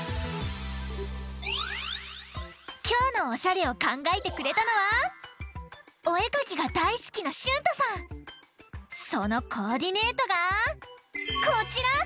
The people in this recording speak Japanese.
きょうのおしゃれをかんがえてくれたのはおえかきがだいすきなそのコーディネートがこちら！